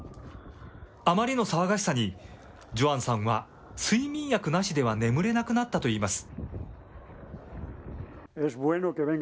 あまりの騒がしさに、ジョアンさんは睡眠薬なしでは眠れなくなったといいます。